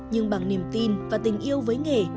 nhưng bằng niềm tin và tình yêu với nghề